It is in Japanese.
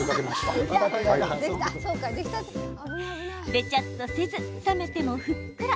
べちゃっとせず冷めてもふっくら。